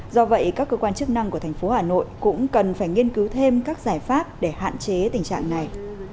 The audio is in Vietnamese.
do vậy các cơ quan chức năng của thành phố hà nội cũng cần phải nghiên cứu thêm các giải pháp để hạn chế tình trạng này